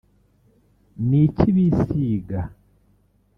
Ni iki bisiga